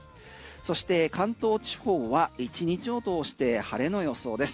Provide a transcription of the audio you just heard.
そして関東地方は１日を通して晴れの予想です。